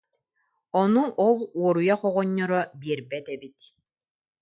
Ону ол уоруйах оҕонньоро биэрбэт эбит